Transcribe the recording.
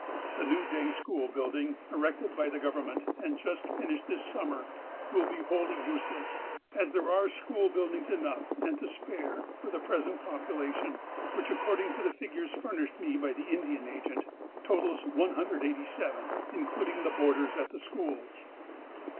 The new day school building erected by the Govern ment, and just finished this summer, will be wholly use less,^ as there are school buildings enough and to spare for the present population, which, according to the figures furnished me by the Indian Agent, totals 187, including the boarders at the schools.